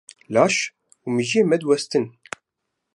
Laş û mejiyê me diwestin.